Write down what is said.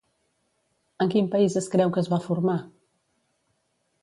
En quin país es creu que es va formar?